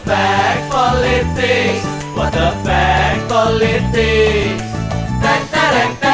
sampai jumpa di video selanjutnya